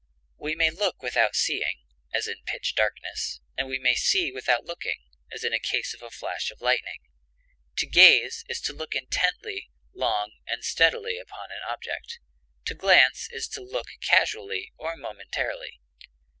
We may look without seeing, as in pitch darkness, and we may see without looking, as in case of a flash of lightning. To gaze is to look intently, long, and steadily upon an object. To glance is to look casually or momentarily.